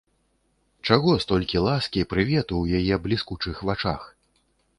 Чаго столькі ласкі, прывету ў яе бліскучых вачах?